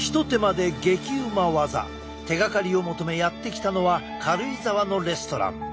手がかりを求めやって来たのは軽井沢のレストラン。